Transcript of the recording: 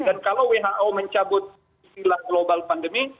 dan kalau who mencabut global pandemi